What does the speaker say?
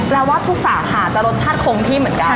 แล้วว่าทุกสาขาจะรสชาติคงที่เหมือนกัน